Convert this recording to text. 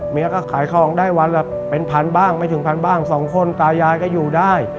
เมียก็ขายของได้วันละเป็นพันบ้างไม่ถึงพันบ้างสองคนตายายก็อยู่ได้